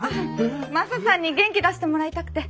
マサさんに元気出してもらいたくて。